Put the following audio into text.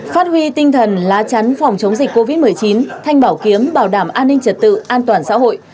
phát huy tinh thần lá chắn phòng chống dịch covid một mươi chín thanh bảo kiếm bảo đảm an ninh trật tự an toàn xã hội